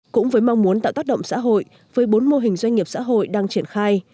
cũng với mong muốn tạo tác động xã hội với bốn mô hình doanh nghiệp xã hội đang triển khai